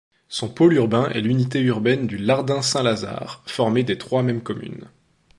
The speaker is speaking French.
Son pôle urbain est l'unité urbaine du Lardin-Saint-Lazare, formée des trois mêmes communes.